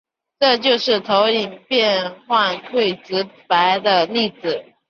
这就是投影变换最直白的例子。